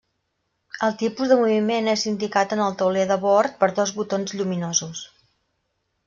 El tipus de moviment és indicat en el tauler de bord per dos botons lluminosos.